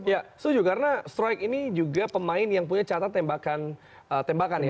ya setuju karena strike ini juga pemain yang punya catatan tembakan